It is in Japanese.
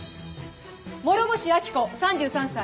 諸星秋子３３歳。